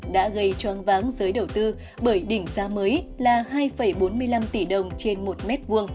đã gây choang váng giới đầu tư bởi đỉnh giá mới là hai bốn mươi năm tỷ đồng trên một m hai